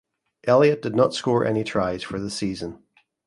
Elliott did not score any tries for the season.